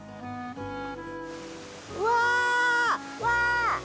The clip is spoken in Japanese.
うわわあ！